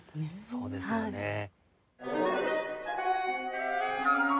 そうですよね。